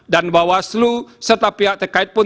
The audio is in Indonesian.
dan bahwa selu serta pihak terkait pun